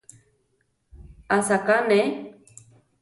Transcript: Asaká neʼé.